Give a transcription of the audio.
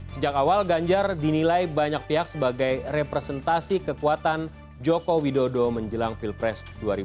sejak awal ganjar dinilai banyak pihak sebagai representasi kekuatan joko widodo menjelang pilpres dua ribu dua puluh